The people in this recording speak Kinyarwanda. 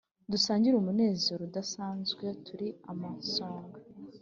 Dusangire umunezero Dusanzwe turi amasonga